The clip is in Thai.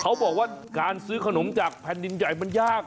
เขาบอกว่าการซื้อขนมจากแผ่นดินใหญ่มันยาก